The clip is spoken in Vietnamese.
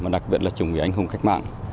đặc biệt là chủng người anh hùng cách mạng